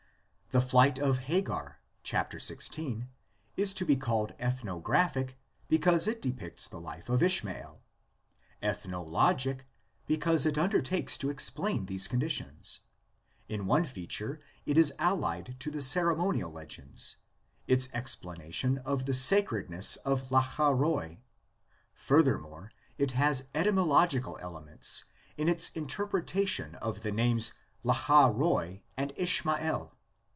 The flight of Hagar (xvi.) is to be called ethnographic because it depicts the life of Ishmael; ethnologic, because it undertakes to explain these conditions; in one feature it is allied VARIETIES OF THE LEGENDS. 35 to the ceremonial legends, its explanation of the sacredness of Lacha roi; furthermore it has etymo logical elements in its interpetation of the names Lacha roi and Ishmael.